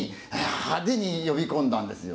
派手に呼び込んだんですよ。